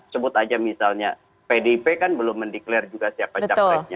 sebut aja misalnya pdip kan belum mendeklarasi juga siapa capresnya